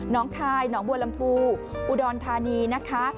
คายหนองบัวลำพูอุดรธานีนะคะ